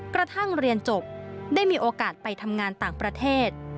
กระทั่งเรียนจบได้มีโอกาสไปทำงานต่างประเทศ